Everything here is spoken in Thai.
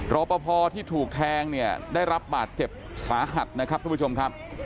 รอปภที่ถูกแทงเนี่ยได้รับบาดเจ็บสาหัสนะครับทุกผู้ชมครับ